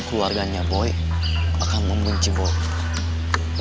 keluarganya boy akan membenci boi